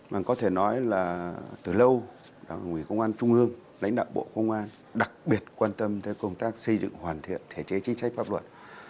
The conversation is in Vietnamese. mà có thể nói là từ lâu đảng ủy công an trung ương lãnh đạo bộ công an đặc biệt quan tâm tới công tác xây dựng hoàn thiện thể chế chính sách pháp luật